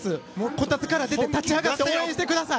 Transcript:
こたつから出て立ち上がって応援してください。